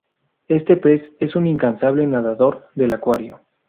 Este pez es un incansable nadador del acuario.